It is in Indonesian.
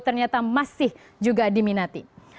ternyata masih juga diminati